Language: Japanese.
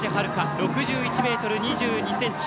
６１ｍ２２ｃｍ。